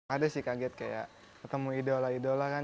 ada sih kaget kayak ketemu idola idola kan